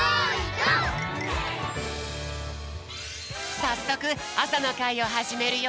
さっそくあさのかいをはじめるよ！